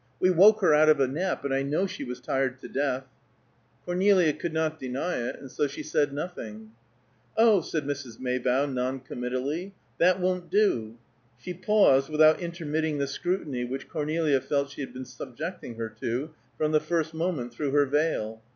We woke her out of a nap, and I know she was tired to death." Cornelia could not deny it, and so she said nothing. "Oh!" said Mrs. Maybough, non committally; "that won't do." She paused, without intermitting the scrutiny which Cornelia felt she had been subjecting her to from the first moment through her veil.